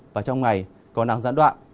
và trong ngày có nắng gián đoạn